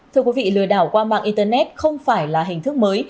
thưa quý vị lừa đảo qua mạng internet không phải là hình thức mới